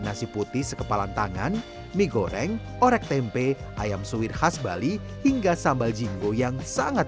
nasi putih sekepalan tangan mie goreng orek tempe ayam suwir khas bali hingga sambal jingo yang sangat